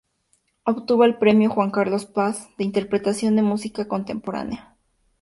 Obtuvo el Premio "Juan Carlos Paz" de interpretación de música contemporánea.